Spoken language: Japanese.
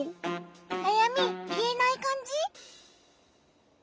なやみいえないかんじ？